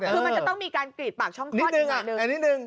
คือมันจะต้องมีการกรีดปากช่องคลอดอีกหน่อยนึง